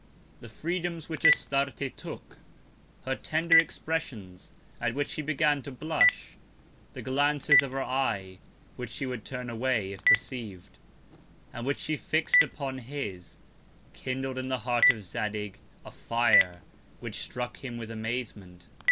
The Freedoms which Astarte took, her tender Expressions, at which she began to blush, the Glances of her Eye, which she would turn away, if perceiv'd, and which she fix'd upon his, kindled in the Heart of Zadig a Fire, which struck him with Amazement.